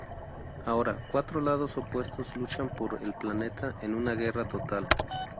Ahora, cuatro lados opuestos luchan por el planeta en una guerra total.